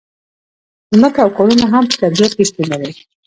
ځمکه او کانونه هم په طبیعت کې شتون لري.